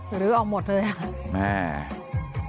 หรือออกหมดเลยค่ะ